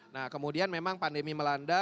nah kemudian memang pandemi melanda